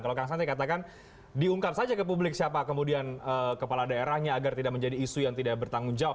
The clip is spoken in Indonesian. kalau kang saan tadi katakan diungkap saja ke publik siapa kemudian kepala daerahnya agar tidak menjadi isu yang tidak bertanggung jawab